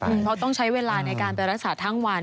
เพราะต้องใช้เวลาในการไปรักษาทั้งวัน